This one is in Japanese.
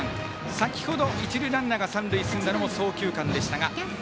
先ほど一塁ランナーが進んだのも送球間でしたが。